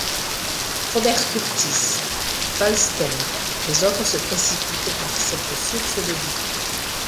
Robert Kurtis, Falsten, les autres se précipitent vers cette source de vie.